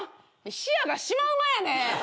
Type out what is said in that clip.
視野がシマウマやね。